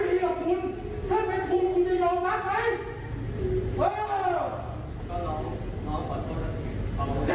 เด็กมันพูดจานไม่ดีกับคุณเนี่ยคุณยอมรักใช่ไหม